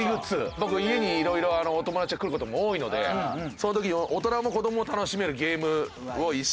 僕家に色々お友達が来る事も多いのでその時に大人も子供も楽しめるゲームを一式。